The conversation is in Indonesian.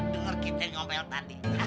denger kita ngobel tadi